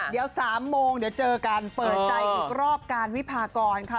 เดี๋ยว๓โมงเดี๋ยวเจอกันเปิดใจอีกรอบการวิพากรค่ะ